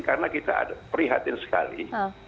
karena kita ada prihatin sekali